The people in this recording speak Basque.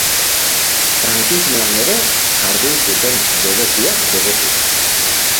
Frankismoan ere jardun zuten, debekuak debeku.